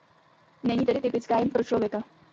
Není tedy typická jen pro člověka.